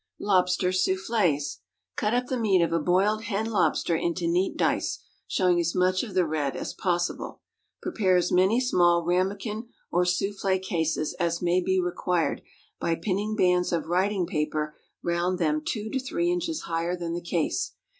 Lobster Soufflées. Cut up the meat of a boiled hen lobster into neat dice, showing as much of the red as possible. Prepare as many small ramekin or soufflée cases as may be required by pinning bands of writing paper round them two to three inches higher than the case.